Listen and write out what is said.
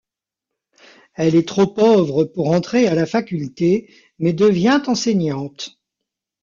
Elle est trop pauvre pour entrer à la faculté mais devient enseignante.